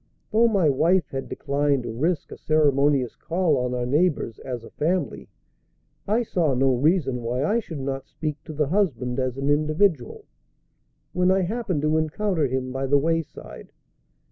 Though my wife had declined to risk a ceremonious call on our neighbors as a family, I saw no reason why I should not speak to the husband as an individual, when I happened to encounter him by the wayside.